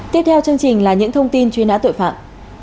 tiếp theo chương trình là những thông tin truy nã tội phạm